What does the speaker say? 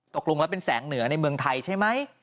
ตกลงแล้วเป็นแสงเหนือในเมืองไทยใช่ไหม